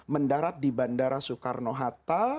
mendarat di bandara soekarno hatta